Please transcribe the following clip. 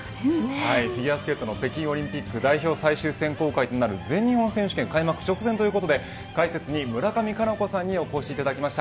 フィギュアスケートの北京オリンピック代表最終選考会となる全日本選手権開幕直前ということで解説に村上佳菜子さんにお越しいただきました。